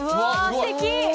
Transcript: すてき！